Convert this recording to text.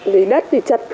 đấy đất thì chật